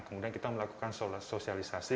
kemudian kita melakukan sosialisasi